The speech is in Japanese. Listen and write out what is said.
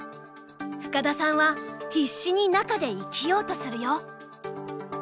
深田さんは必死に中で生きようとするよ。